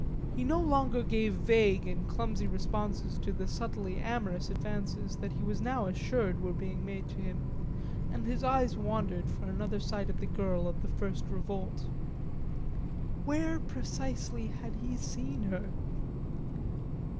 He no longer gave vague and clumsy responses to the subtly amorous advances that he was now assured were being made to him, and his eyes wandered for another sight of the girl of the first revolt. Where, precisely, had he seen her?...